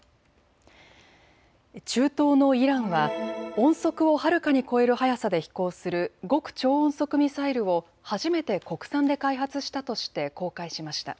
中東のイランは音速をはるかに超える速さで飛行する極超音速ミサイルを初めて国産で開発したとして公開しました。